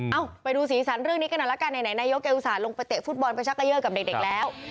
ไปดูสีสันเรื่องนี้กันหน่อยละกันไหนนายกแกอุตส่าห์ลงไปเตะฟุตบอลไปชักเกยอร์กับเด็กแล้ว